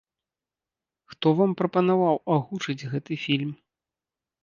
Хто вам прапанаваў агучыць гэты фільм?